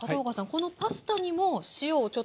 このパスタにも塩をちょっと。